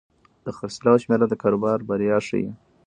د خرڅلاو شمېره د کاروبار بریا ښيي.